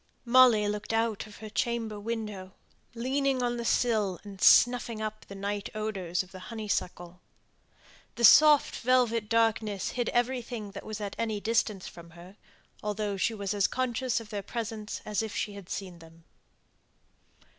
Molly looked out of her chamber window leaning on the sill, and snuffing up the night odours of the honeysuckle. The soft velvet darkness hid everything that was at any distance from her; although she was as conscious of their presence as if she had seen them.